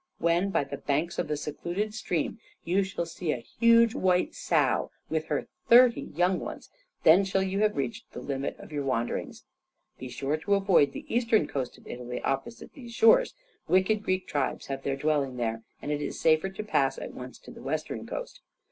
When by the banks of a secluded stream you shall see a huge white sow with her thirty young ones, then shall you have reached the limit of your wanderings. Be sure to avoid the eastern coast of Italy opposite these shores. Wicked Greek tribes have their dwelling there, and it is safer to pass at once to the western coast.